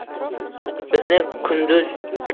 Bizni kunduz